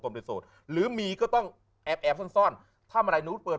ตนเป็นโสดหรือมีก็ต้องแอบซ่อนท่าเมื่อแล้วแบบนี้เปิด